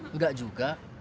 enggak juga namanya kenapa